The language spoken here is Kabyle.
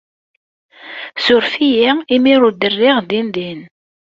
Ssurfet-iyi imi ur d-rriɣ dindin.